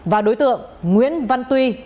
và đối tượng nguyễn văn tuy